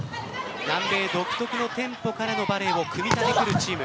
南米独特のテンポからのバレーを組み立ててくるチーム。